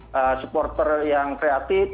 dan supporter yang kreatif